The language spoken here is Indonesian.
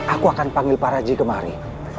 aku akan panggil pak raji kemari